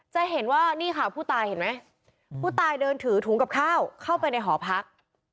จะเห็นว่านี่ค่ะผู้ตายเห็นไหมผู้ตายเดินถือถุงกับข้าวเข้าไปในหอพัก